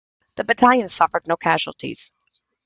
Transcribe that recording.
The battalion suffered no casualties.